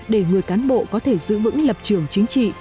để người cán bộ có thể giữ vững lập trường chính trị